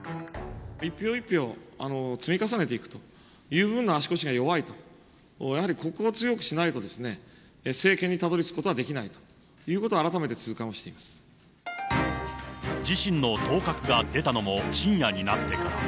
一票一票積み重ねていくという部分の足腰が弱いと、やはりここを強くしないと、政権にたどりつくことはできないということは、改めて痛感をして自身の当確が出たのも深夜になってから。